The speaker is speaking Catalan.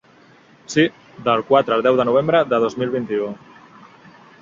Sí, del quatre al deu de novembre de dos mil vint-i-u.